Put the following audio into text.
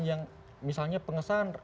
yang misalnya pengesahan